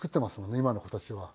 今の子たちは。